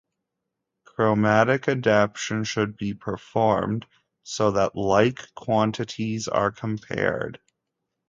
Chromatic adaptation should be performed so that like quantities are compared.